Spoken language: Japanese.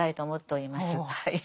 はい。